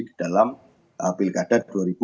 di dalam pilkada dua ribu dua puluh